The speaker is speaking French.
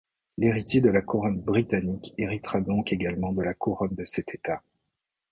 L'héritier de la couronne britannique héritera donc également de la couronne de cet État.